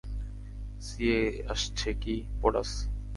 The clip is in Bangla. সিএ আসছে কী, পোরাস!